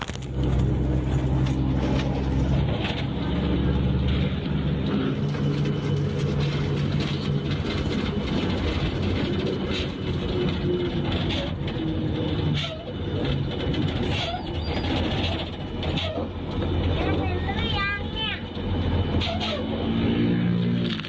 มันเป็นซูตรย้อนเนี้ย